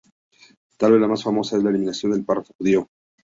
Tal vez la más famosa es la eliminación del "párrafo Judío".